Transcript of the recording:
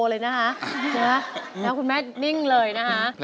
แล้วคุณแม่นิ่งเลยนะคะ